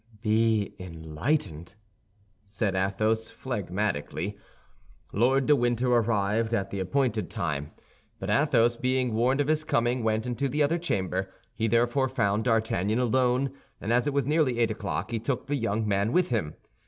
"Be enlightened!" said Athos, phlegmatically. Lord de Winter arrived at the appointed time; but Athos, being warned of his coming, went into the other chamber. He therefore found D'Artagnan alone, and as it was nearly eight o'clock he took the young man with him.